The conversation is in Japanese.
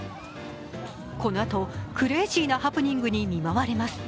このあと、クレイジーなハプニングに見舞われます。